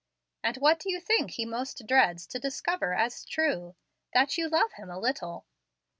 and what do you think he most dreads to discover as true? that you love him a little."